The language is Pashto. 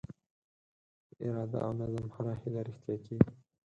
په اراده او نظم هره هیله رښتیا کېږي.